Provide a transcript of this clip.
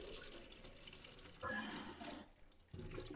მონეტები მიმოქცევაში გაცილებით დიდხანს ძლებს.